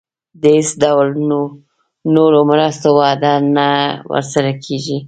د هیڅ ډول نورو مرستو وعده نه ورسره کېږي.